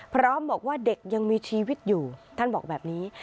พร้อมบอกว่าเด็กยังมีชีวิตอยู่ท่านบอกแบบนี้